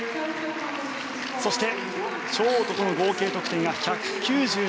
そして、ショートとの合計得点が１９７．４１。